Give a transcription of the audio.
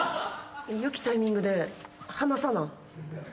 よきタイミングで離さな。